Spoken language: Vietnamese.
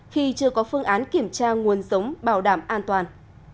khi chưa có phương án kiểm tra nguồn giống bảo đảm an toàn